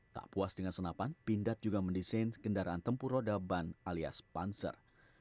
tak puas dengan senapan pindad juga mendesain kendaraan tempur roda ban alias panser